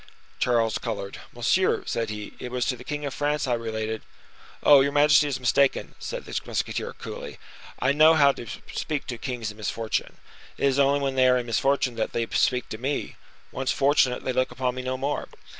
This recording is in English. Charles colored. "Monsieur," said he, "it was to the king of France I related—" "Oh! your majesty is mistaken," said the musketeer, coolly; "I know how to speak to kings in misfortune. It is only when they are in misfortune that they speak to me; once fortunate, they look upon me no more.